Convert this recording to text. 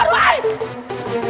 aku lihat sendiri